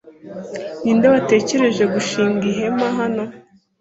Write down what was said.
Ni nde watekereje gushinga ihema hano?